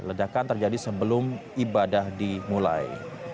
ledakan terjadi sebelum ibadah dimulai